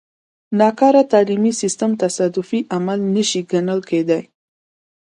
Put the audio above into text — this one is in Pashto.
ناکاره تعلیمي سیستم تصادفي عمل نه شي ګڼل کېدای.